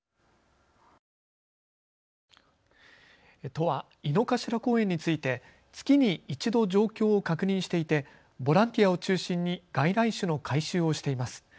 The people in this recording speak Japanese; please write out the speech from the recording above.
都は井の頭公園について月に１度、状況を確認していてボランティアを中心に外来種の回収をしています。